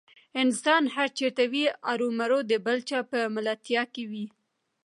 انسان هر چېرته وي ارومرو د بل چا په ملتیا کې وي.